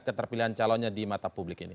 keterpilihan calonnya di mata publik ini